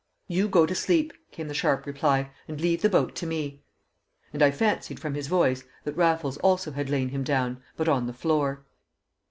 "You go to sleep," came the sharp reply, "and leave the boat to me." And I fancied from his voice that Raffles also had lain him down, but on the floor.